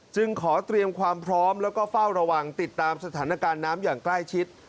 จึงขอเตรียมความพร้อมแล้วก็เฝ้าระวังติดตามสถานการณ์น้ำอย่างใกล้ชิด